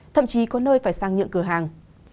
thậm chí có nơi phải sang nhượng cửa hàng